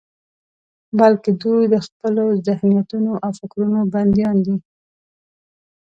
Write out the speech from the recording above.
بلکې دوی د خپلو ذهنيتونو او فکرونو بندیان دي.